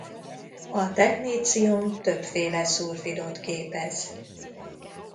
A technécium többféle szulfidot képez.